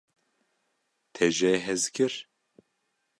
Te jê hez kir?